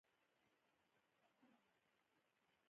کاناډا د اوبو تصفیه کوي.